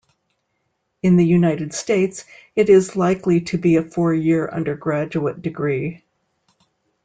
In the United States, it is likely to be a four-year undergraduate degree.